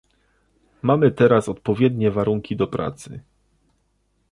Mamy teraz odpowiednie warunki do pracy